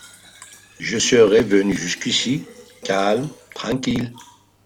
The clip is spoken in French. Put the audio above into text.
Je serais venu jusqu’ici, calme, tranquille !